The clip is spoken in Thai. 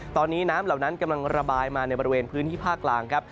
ตอนนี้น้ำเหล่านั้นกำลังระบายมาในบริเวณพื้นที่ภาคกลางครับ